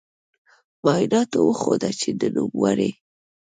معایناتو وښوده چې د نوموړې